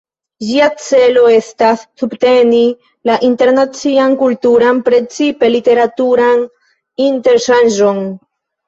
Ĝia celo estas subteni la internacian kulturan, precipe literaturan interŝanĝon.